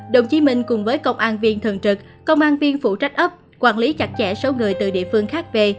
đồng chí minh cùng với công an viên thường trực công an viên phụ trách ấp quản lý chặt chẽ số người từ địa phương khác về